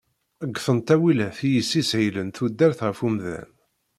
Ggten ttawilat i yessishilen tudert ɣef umdan.